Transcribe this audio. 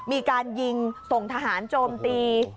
มีการยิงส่งทหารโจมตี